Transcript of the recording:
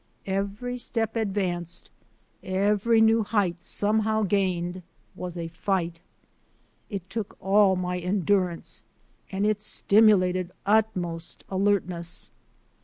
Every step advanced, each new height somehow gained, was a fight. It took all my endurance and it stimulated utmost alertness.